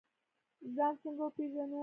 ځان څنګه وپیژنو؟